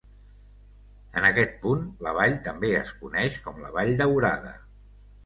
En aquest punt, la vall també es coneix com la Vall Daurada.